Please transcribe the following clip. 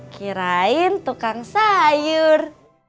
kirain tukang sayur